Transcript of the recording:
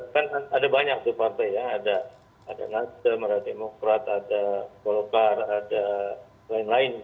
kan ada banyak sih partai ya ada nasa merah demokrat ada polkar ada lain lain